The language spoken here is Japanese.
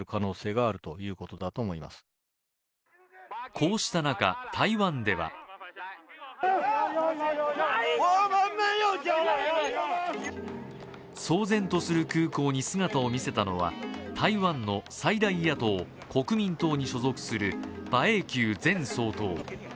こうした中、台湾では騒然とする空港に姿を見せたのは台湾の最大野党・国民党に所属する馬英九前総統。